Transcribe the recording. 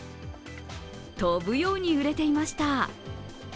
飛ぶように売れていました。